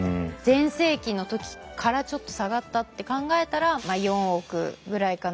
全盛期の時からちょっと下がったって考えたら４億ぐらいかな。